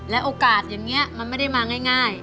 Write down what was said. โอกาสอย่างนี้มันไม่ได้มาง่าย